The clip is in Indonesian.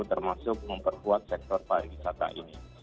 termasuk memperkuat sektor pariwisata ini